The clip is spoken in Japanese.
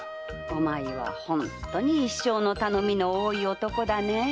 お前はホントに“一生の頼み”の多い男だねえ。